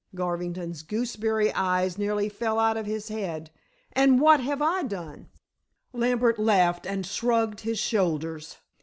Garvington's gooseberry eyes nearly fell out of his head. "And what have I done?" Lambert laughed and shrugged his shoulders.